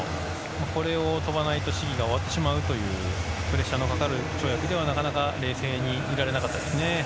これを跳ばないと試技が終わってしまうというプレッシャーのかかる跳躍ではなかなか冷静に見られなかったですね。